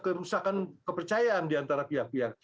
kerusakan kepercayaan diantara pihak pihak